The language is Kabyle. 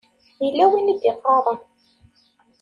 Yella win i d-iɣaṛen.